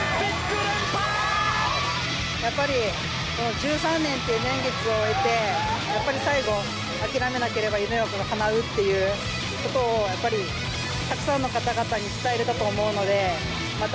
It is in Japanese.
１３年という年月を終えてやっぱり最後、諦めなければ夢がかなうということをたくさんの方々に伝えられたと思うのでまた